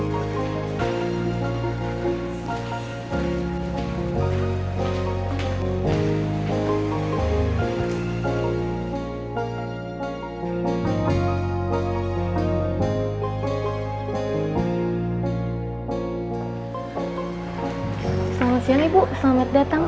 selamat siang ibu selamat datang